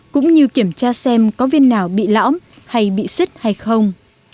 cũng như kiểm tra xem có viên nào bị lõm hay bị sức hay không